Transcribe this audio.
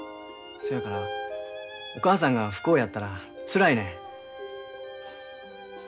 そやからお母さんが不幸やったらつらいねん。